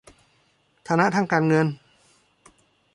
ฐานะทางการเงิน